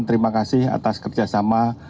terima kasih atas kerjasama